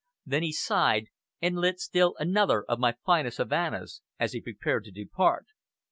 Then he sighed and lit still another of my finest Havanas as he prepared to depart.